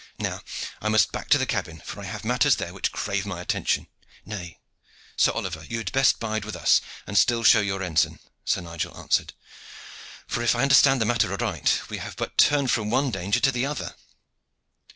Now I must back to the cabin, for I have matters there which crave my attention." "Nay, Sir Oliver, you had best bide with us, and still show your ensign," Sir Nigel answered; "for, if I understand the matter aright, we have but turned from one danger to the other."